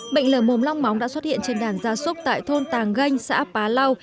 bệnh lở mồm long móng đã xuất hiện trên đàn gia súc tại thôn tàng ganh xã pá lau